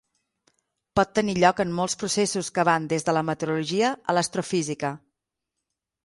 Pot tenir lloc en molts processos que van des de la meteorologia a l'astrofísica.